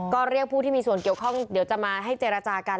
ก็เรียกผู้ที่มีส่วนเกี่ยวข้องเดี๋ยวจะมาให้เจรจากัน